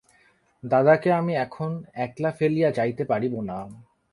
দাদাকে আমি এখন একলা ফেলিয়া যাইতে পারিব না।